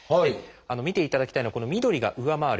見ていただきたいのはこの緑が上回る。